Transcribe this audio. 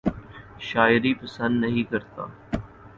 شاعری پسند نہیں کرتا